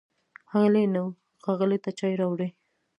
هلی نو، ښاغلي ته چای راوړئ!